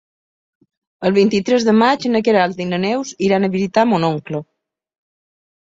El vint-i-tres de maig na Queralt i na Neus iran a visitar mon oncle.